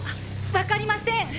「わかりません！